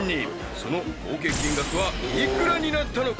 ［その合計金額は幾らになったのか？］